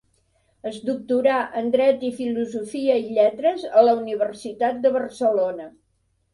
Es doctorà en dret i filosofia i Lletres a la Universitat de Barcelona.